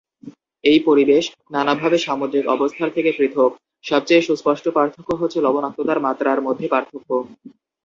এই পরিবেশ, নানাভাবে সামুদ্রিক অবস্থার থেকে পৃথক, সবচেয়ে সুস্পষ্ট পার্থক্য হচ্ছে লবণাক্ততার মাত্রার মধ্যে পার্থক্য।